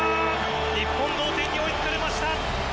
日本、同点に追いつかれました。